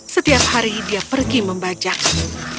setiap hari dia pergi membajakmu